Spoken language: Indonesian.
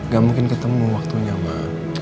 ga mungkin ketemu waktunya ma